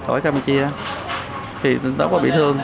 ở campuchia thì tôi có bị thương